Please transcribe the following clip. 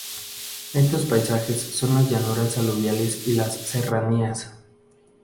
Estos paisajes son las llanuras aluviales y las serranías.